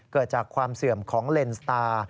เกิดจากความเสื่อมของเลนสตาร์